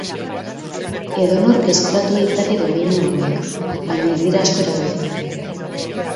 Edonork eskuratu ditzake domeinu hauek, baina ez dira asko erabiltzen.